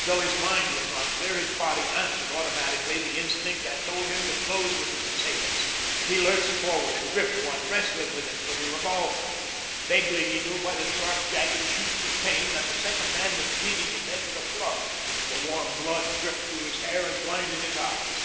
Though his mind was not clear, his body answered automatically the instinct that told him to close with his assailants. He lurched forward and gripped one, wrestling with him for the revolver. Vaguely he knew by the sharp, jagged shoots of pain that the second man was beating his head with a club. The warm blood dripped through his hair and blinded his eyes.